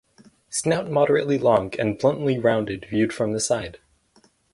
Snout moderately long and bluntly rounded viewed from the side.